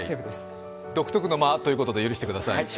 独特の間ということで許してください。